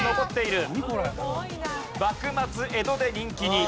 幕末江戸で人気に。